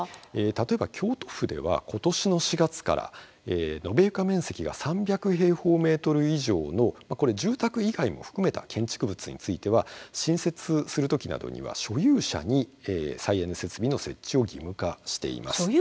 例えば京都府では今年の４月から延床面積が３００平方メートル以上の住宅以外も含めた建築物については、新設する時などには所有者に再エネ設備の設置を義務化しています。